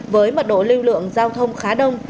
với mật độ lưu lượng giao thông khá đông